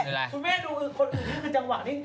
คุณแม่ดูคนอื่นนี้คือจังหวะนี้